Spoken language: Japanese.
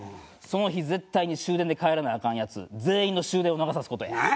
その日絶対に終電で帰らなアカンヤツ全員の終電を逃がさす事や。